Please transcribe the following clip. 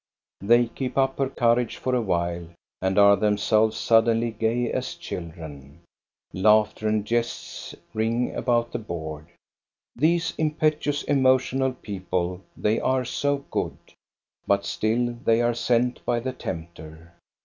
They keep up her courage for a while and are themselves suddenly gay as children. Laughter and jests ring about the board. These impetuous, emotional people, they are so good ; but still they are sent by the tempter.